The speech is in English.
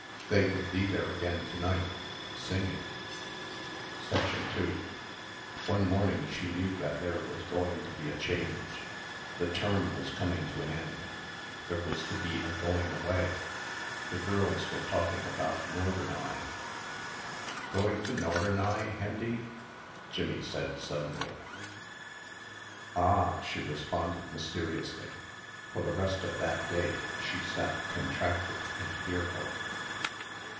They would be there again to night, singing. 2 One morning she knew that there was going to be a change. The term was coming to an end. There was to be a going away. The girls were talking about "Norderney." "Going to Norderney, Hendy?" Jimmie said suddenly. "Ah!" she responded mysteriously. For the rest of that day she sat contracted and fearful.